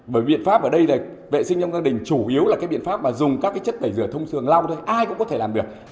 bởi biện pháp ở đây là vệ sinh trong gia đình chủ yếu là cái biện pháp mà dùng các cái chất tẩy rửa thông thường lau thôi ai cũng có thể làm được